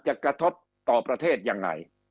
คำอภิปรายของสอสอพักเก้าไกลคนหนึ่ง